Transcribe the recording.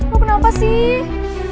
lo kenapa sih